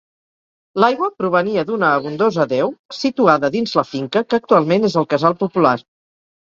L'aigua provenia d'una abundosa deu situada dins la finca que actualment és el casal popular.